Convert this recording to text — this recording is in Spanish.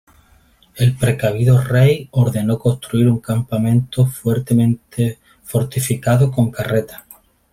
El precavido rey ordenó construir un campamento fuertemente fortificado con carretas.